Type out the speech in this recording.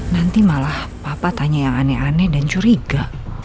nanti malah papa tanya yang aneh aneh dan curiga